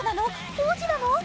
王子なの？